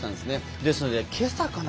ですのでけさかな